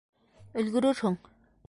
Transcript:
Өлгөрөрһөң...